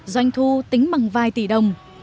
doanh thu tính bằng vài tỷ đồng